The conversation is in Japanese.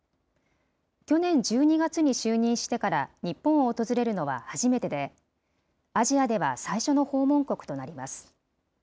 去年１２月に就任してから日本を訪れるのは初めてで、アジアでは最初の訪問国となります。